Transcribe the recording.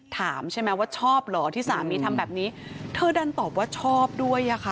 ถามใช่ไหมว่าชอบเหรอที่สามีทำแบบนี้เธอดันตอบว่าชอบด้วยอ่ะค่ะ